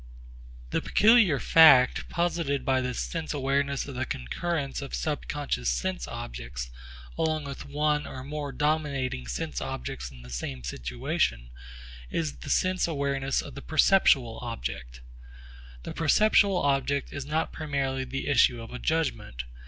The peculiar fact, posited by this sense awareness of the concurrence of subconscious sense objects along with one or more dominating sense objects in the same situation, is the sense awareness of the perceptual object. The perceptual object is not primarily the issue of a judgment.